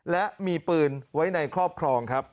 และมีปืนไว้ในครอบครองครับ